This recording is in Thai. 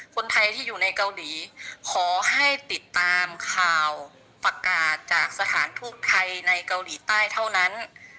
คนไทยที่อยู่ในเกาหลีขอให้ติดตามข่าวประกาศจากสถานทูตไทยในเกาหลีใต้เท่านั้น